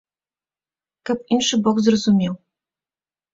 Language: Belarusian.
Каб іншы бок зразумеў.